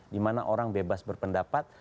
dimana orang bebas berpendapat